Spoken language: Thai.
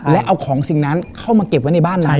และเอาของสิ่งนั้นเข้ามาเก็บไว้ในบ้านเรา